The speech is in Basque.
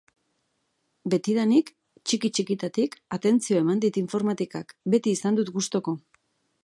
Betidanik, txiki-txikitatik, atentzioa eman dit informatikak, beti izan dut gustuko.